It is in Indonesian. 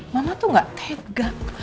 mama tuh gak tegak